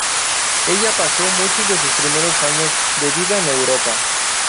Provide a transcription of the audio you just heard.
Ella pasó muchos de sus primeros años de vida en Europa.